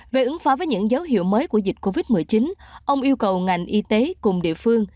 về ứng phó với những dấu hiệu mới của dịch covid một mươi chín ông yêu cầu ngành y tế cùng địa phương